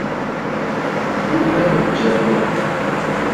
Budne me bijek gwem.